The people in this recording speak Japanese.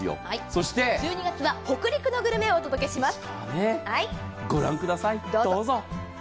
そして１２月は北陸のグルメをお届けします。